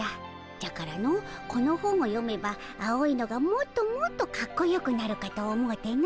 じゃからのこの本を読めば青いのがもっともっとかっこよくなるかと思うての。